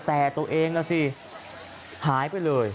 แต่ตัวเองล่ะสิหายไปเลย